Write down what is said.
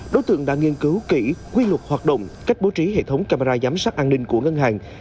đối tượng đã nghiên cứu kỹ quy luật hoạt động cách bố trí hệ thống camera giám sát an ninh của ngân hàng